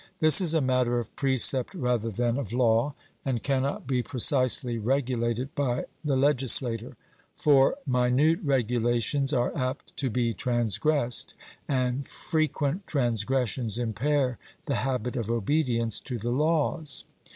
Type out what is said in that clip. This is a matter of precept rather than of law, and cannot be precisely regulated by the legislator. For minute regulations are apt to be transgressed, and frequent transgressions impair the habit of obedience to the laws.